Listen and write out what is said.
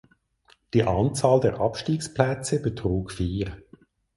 Die Anzahl der Abstiegsplätze betrug vier.